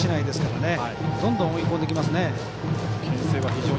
どんどん追い込んできますね。